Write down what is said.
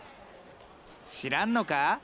知らんのか？